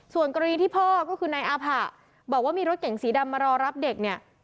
ส่วนกรณีที่พ่อก็คือนายอาผะบอกว่ามีรถเก๋งสีดำมารอรับเด็กเนี่ย